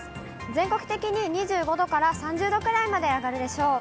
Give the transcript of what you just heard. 全国的に２５度から３０度くらいまで上がるでしょう。